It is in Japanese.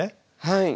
はい。